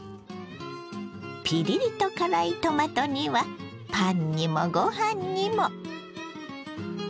ピリリと辛いトマト煮はパンにもご飯にも。